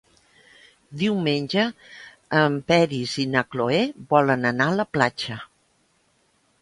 Diumenge en Peris i na Cloè volen anar a la platja.